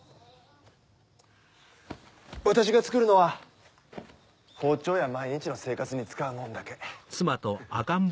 私が作るのは包丁や毎日の生活に使うもんだけ。